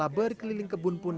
lalu saya mencoba dengan kekuatan